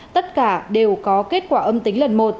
tất cả đều có kết quả âm tính lần một